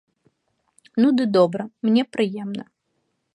Ну ды добра, мне прыемна.